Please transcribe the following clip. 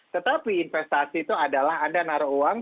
tetapi investasi itu adalah anda naruh uang